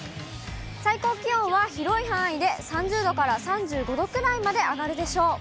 最高気温は広い範囲で３０度から３５度くらいまで上がるでしょう。